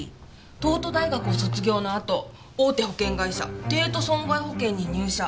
東都大学を卒業のあと大手保険会社帝都損害保険に入社。